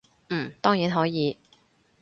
嗯，當然可以